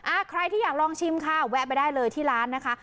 ใครที่อยากลองชิมค่ะแวะไปได้เลยที่ร้านนะคะ